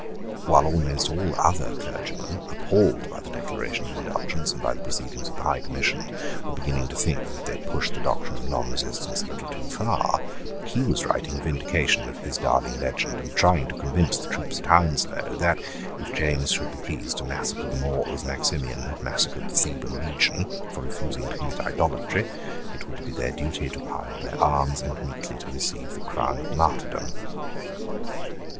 While almost all other clergymen, appalled by the Declaration of Indulgence and by the proceedings of the High Commission, were beginning to think that they had pushed the doctrine of nonresistance a little too far, he was writing a vindication of his darling legend, and trying to convince the troops at Hounslow that, if James should be pleased to massacre them all, as Maximian had massacred the Theban legion, for refusing to commit idolatry, it would be their duty to pile their arms, and meekly to receive the crown of martyrdom.